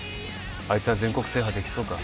あいつは全国制覇できそうか？